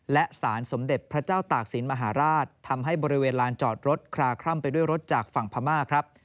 และสารสมเด็จพระเจ้าตากศิลป์มหาราชทำให้บริเวณลานจอดรถคลาคล่ำไปด้วยรถจากฝั่งพม่าครับ